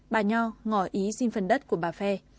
bà nho ngỏ ý xin phần đất của bà phe